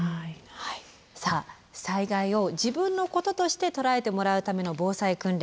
さあ災害を自分のこととして捉えてもらうための防災訓練。